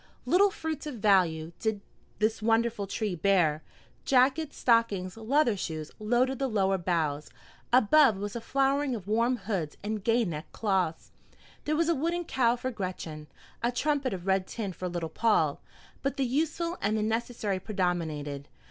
Little fruit of value did this wonderful tree bear. Jackets, stockings, leather shoes, loaded the lower boughs; above was a flowering of warm hoods and gay neck cloths, there was a wooden cow for Gretchen, a trumpet of red tin for little Paul; but the useful and the necessary predominated.